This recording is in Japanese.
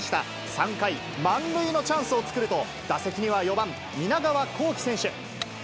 ３回、満塁のチャンスを作ると、打席には４番南川こうき選手。